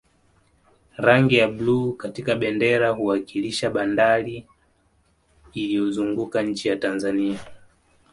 rangi ya bluu katika bendera huwakilisha bahari iliyozunguka nchi ya tanzania